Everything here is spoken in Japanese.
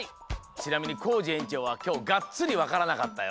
ちなみにコージえんちょうはきょうガッツリわからなかったよ。